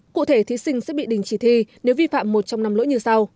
cụ thể thí sinh sẽ bị đình chỉ thi nếu vi phạm một trong năm lỗi như sau